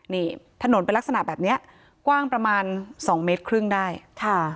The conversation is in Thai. นี่ถนนเป็นลักษณะแบบเนี้ยกว้างประมาณสองเมตรครึ่งได้ค่ะ